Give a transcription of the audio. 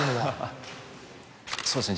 そうですね